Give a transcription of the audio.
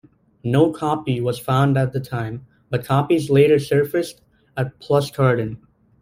No copy was found at the time, but copies later surfaced at Pluscarden.